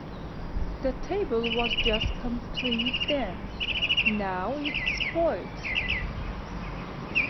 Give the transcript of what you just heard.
The table was just complete then: now it's spoilt.